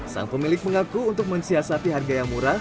sang pemilik mengaku untuk mensia sapi harga yang murah